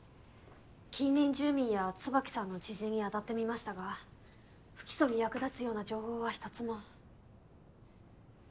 近隣住民や椿さんの知人に当たってみましたが不起訴に役立つような情報は１つも。